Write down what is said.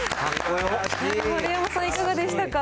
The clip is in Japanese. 丸山さん、いかがでしたか？